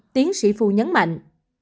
tiến sĩ phu nhấn mạnh